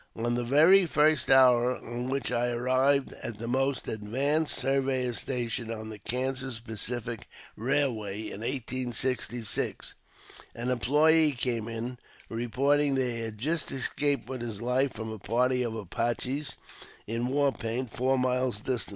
On the very first hour on which I myself arrived at the most advanced surveyor's station on the Kansas Pacific Eailway in 1866, an employe came in, reporting that he had just escaped with his life from a party of Apaches in war paint, four miles distant.